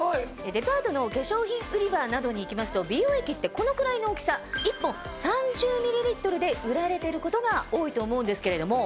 デパートの化粧品売り場などに行きますと美容液ってこのくらいの大きさ１本。で売られてることが多いと思うんですけれども。